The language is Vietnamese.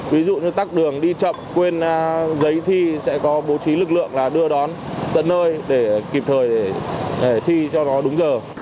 ví dụ như tắt đường đi chậm quên giấy thi sẽ có bố trí lực lượng đưa đón tận nơi để kịp thời thi cho nó đúng